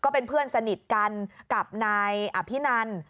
เป็นเพื่อนสนิทกันกับนายอภินัน